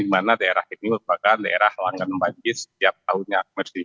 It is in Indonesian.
bagaimana daerah ini membuatkan daerah lancar membanjir setiap tahunnya